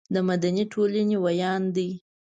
د مدني ټولنې ویاند دی.